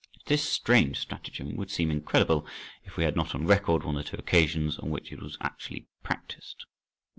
This strange stratagem would seem incredible, if we had not on record one or two occasions on which it was actually practised.